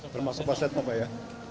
termasuk pak setnoff ya